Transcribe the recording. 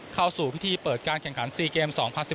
เข้าสู่พิธีเปิดการแข่งขัน๔เกม๒๐๑๘